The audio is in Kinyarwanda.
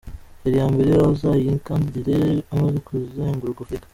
Feri ya mbere azayikandagira amaze kuzenguruka Afurika.